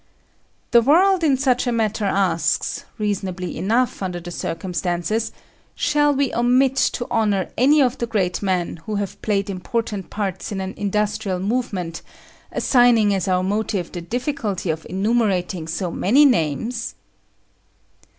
The world in such a matter asks, reasonably enough under the circumstances, Shall we omit to honour any of the great men who have played important parts in an industrial movement, assigning as our motive the difficulty of enumerating so many names?